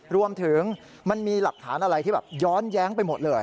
มันมีหลักฐานอะไรที่แบบย้อนแย้งไปหมดเลย